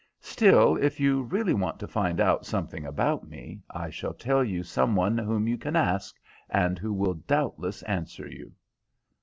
Still, if you really want to find out something about me, I shall tell you some one whom you can ask, and who will doubtless answer you."